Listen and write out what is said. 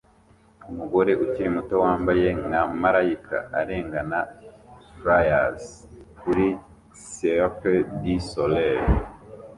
Umugore ukiri muto wambaye nka malayika arengana fliers kuri Cirque du Soleil